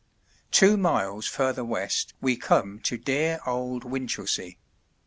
Hogg 1892] Two miles further west we come to dear old Winchelsea.